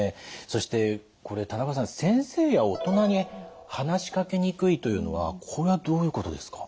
そしてこれ田中さん先生や大人に話しかけにくいというのはこれはどういうことですか？